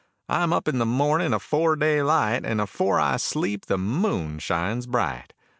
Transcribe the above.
I'm up in the mornin' afore daylight And afore I sleep the moon shines bright.